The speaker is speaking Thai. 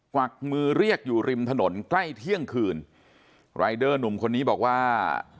วักมือเรียกอยู่ริมถนนใกล้เที่ยงคืนรายเดอร์หนุ่มคนนี้บอกว่า